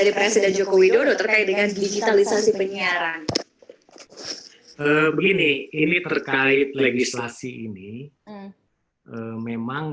tapi kalau misalnya anda lihat di sumbang sarannya pak irwansyah seperti apa